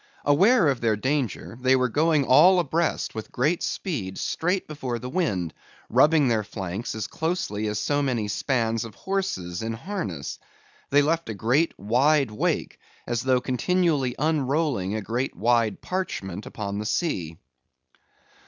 Aware of their danger, they were going all abreast with great speed straight before the wind, rubbing their flanks as closely as so many spans of horses in harness. They left a great, wide wake, as though continually unrolling a great wide parchment upon the sea.